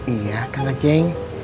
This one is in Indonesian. iya kak naceng